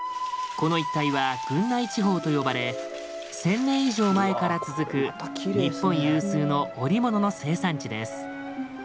この一帯は郡内地方と呼ばれ１，０００年以上前から続く日本有数の織物の生産地です。